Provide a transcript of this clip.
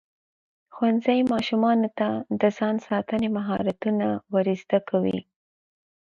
ښوونځی ماشومانو ته د ځان ساتنې مهارتونه ورزده کوي.